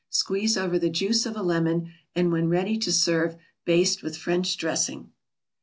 Squeeze over the juice of a lemon, and, when ready to serve, baste with French dressing.